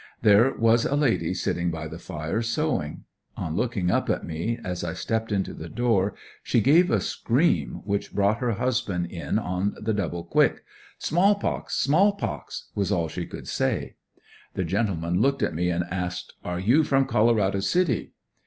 There was a lady sitting by the fire sewing. On looking up at me, as I stepped into the door, she gave a scream, which brought her husband in on the double quick. "Small pox, small pox," was all she could say. The gentleman looked at me and asked: "Are you from Colorado City?"